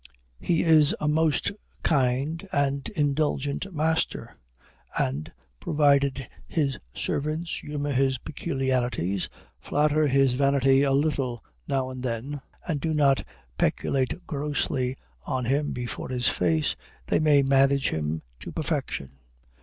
He is a most kind and indulgent master, and, provided his servants humor his peculiarities, flatter his vanity a little now and then, and do not peculate grossly on him before his face, they may manage him to perfection.